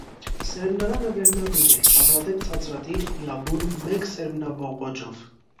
Սերմնարանը վերնադիր է, հազվադեպ ցածրադիր, միաբուն, մեկ սերմնաբողբոջով։